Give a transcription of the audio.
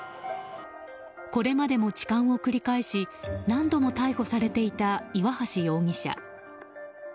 これまでも痴漢を繰り返し何度も逮捕されていた岩橋容疑者。